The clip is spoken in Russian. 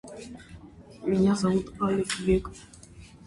Меня зовут Алек Век.